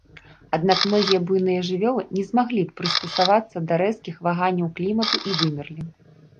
Аднак многія буйныя жывёлы не змаглі прыстасавацца да рэзкіх ваганняў клімату і вымерлі.